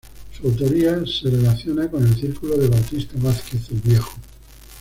Su autoría se relaciona con el círculo de Bautista Vázquez el Viejo.